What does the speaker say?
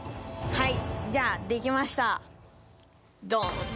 はい。